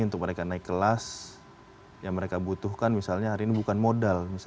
untuk mereka naik kelas yang mereka butuhkan misalnya hari ini bukan modal